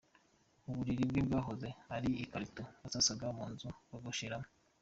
Uburiri bwe bwahoze ari ikarito yasasaga mu nzu bogosheramo.